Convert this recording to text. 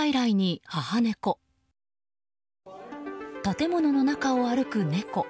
建物の中を歩く猫。